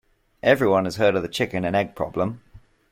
Everyone has heard of the chicken and egg problem.